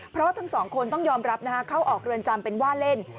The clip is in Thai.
เพราะทั้งสองคนต้องยอมรับเข้าออกเรือนจำเป็นว่าเล่น